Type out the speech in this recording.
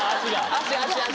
足足足。